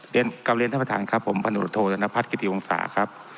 เรียนการเรียนท่านประธานครับผมพนุธโทษณภัทรกิติวงศาครับ